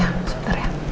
ya sebentar ya